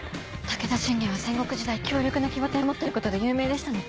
武田信玄は戦国時代強力な騎馬隊を持っていることで有名でしたね。